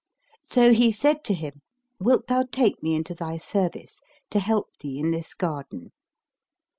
So he said to him, "Wilt thou take me into thy service, to help thee in this garden?"